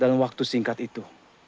dalam waktu singkat itu